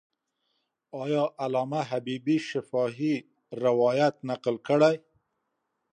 آیا علامه حبیبي شفاهي روایت نقل کړی؟